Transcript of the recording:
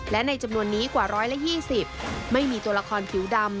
และในจำนวนนี้กว่า๑๒๐ไม่มีตัวละครผิวดำ